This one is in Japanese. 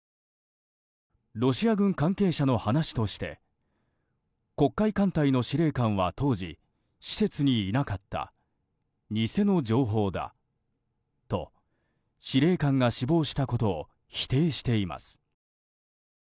ロシア軍関係者の話として黒海艦隊の司令官は当時、施設にいなかった偽の情報だと、司令官が死亡したことを否定しています。